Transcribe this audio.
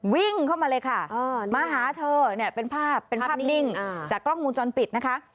วิ่งเข้ามาเลยค่ะมาหาเธอเนี่ยเป็นภาพเป็นภาพนิ่งจากกล้องมูลจรปิดนะคะ